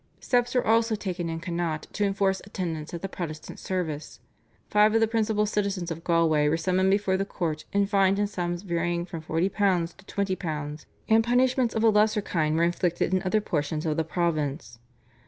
Steps were also taken in Connaught to enforce attendance at the Protestant service. Five of the principal citizens of Galway were summoned before the court and fined in sums varying from £40 to £20, and punishments of a lesser kind were inflicted in other portions of the province.